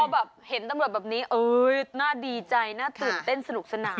พอแบบเห็นตำรวจแบบนี้น่าดีใจน่าตื่นเต้นสนุกสนาน